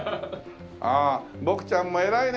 ああ僕ちゃんも偉いね。